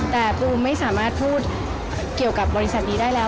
แต่ปูไม่สามารถพูดเกี่ยวกับบริษัทนี้ได้แล้ว